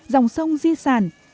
dòng sông di sản